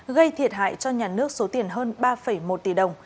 gây thiệt hại cho nhà nước số tiền hơn ba một tỷ đồng